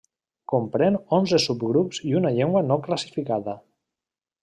Comprèn onze subgrups i una llengua no classificada.